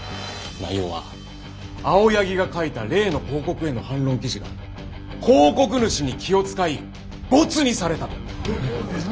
内容は青柳が書いた例の広告への反論記事が広告主に気を遣い没にされたと。